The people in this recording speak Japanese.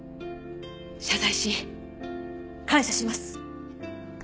謝罪し感謝します。